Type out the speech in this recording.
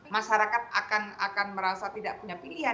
masyarakat akan merasa tidak punya pilihan